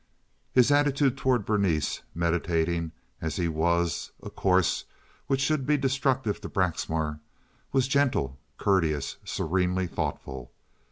His attitude toward Berenice, meditating, as he was, a course which should be destructive to Braxmar, was gentle, courteous, serenely thoughtful.